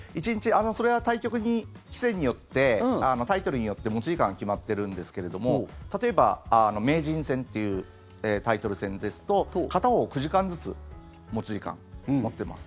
それは対局に、棋戦によってタイトルによって持ち時間が決まっているんですが例えば、名人戦というタイトル戦ですと片方９時間ずつ持ち時間を持っています。